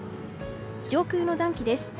上空の暖気です。